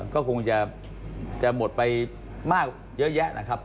ก็คงจะหมดไปมากเยอะแยะนะครับ